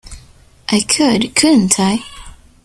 I could, couldn't I?